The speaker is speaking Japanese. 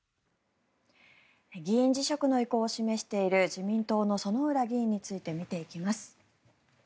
議員辞職の意向を示している自民党の薗浦議員について見ていきます。